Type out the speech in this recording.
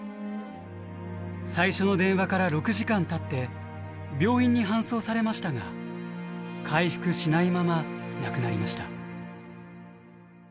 最初の電話から６時間たって病院に搬送されましたが回復しないまま亡くなりました。